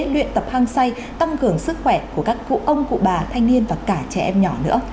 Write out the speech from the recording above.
luyện tập hăng say tăng cường sức khỏe của các cụ ông cụ bà thanh niên và cả trẻ em nhỏ nữa